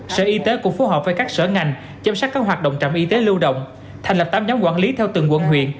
sở y tế cũng phối hợp với các sở ngành chăm sóc các hoạt động trạm y tế lưu động thành lập tám nhóm quản lý theo từng quận huyện